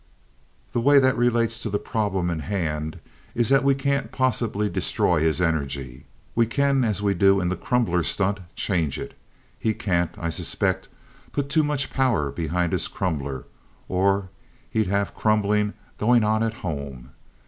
"The way that relates to the problem in hand, is that we can't possibly destroy his energy. We can, as we do in the crumbler stunt, change it. He can't, I suspect, put too much power behind his crumbler, or he'd have crumbling going on at home.